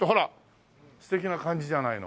素敵な感じじゃないの。